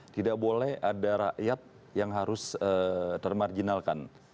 tidak boleh ada rakyat yang harus termarjinalkan